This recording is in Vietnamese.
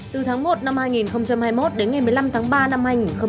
từ tháng một năm hai nghìn hai mươi một đến ngày một mươi năm tháng ba năm hai nghìn hai mươi